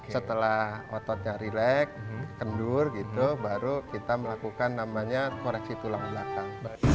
setelah ototnya relax kendur gitu baru kita melakukan namanya koreksi tulang belakang